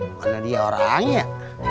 mana dia orangnya